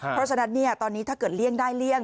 เพราะฉะนั้นตอนนี้ถ้าเกิดเลี่ยงได้เลี่ยง